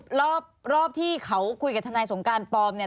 รอบที่เขาคุยกับทนายสงการปลอมเนี่ย